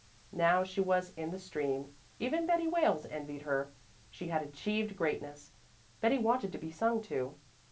Now she was in the stream; even Betty Wales envied her; she had "achieved greatness." Betty wanted to be sung to.